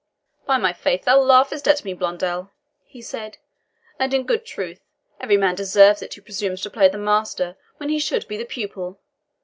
"By my faith, thou laughest at me, Blondel," he said; "and, in good truth, every man deserves it who presumes to play the master when he should be the pupil.